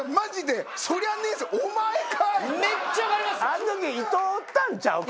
あの時伊藤おったんちゃうか？